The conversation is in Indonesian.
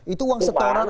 itu uang setoran